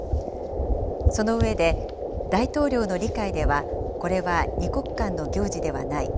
その上で、大統領の理解ではこれは２国間の行事ではない。